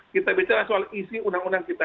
kita bicara soal isi undang undang kita